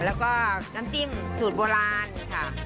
แล้วก็น้ำจิ้มสูตรโบราณค่ะ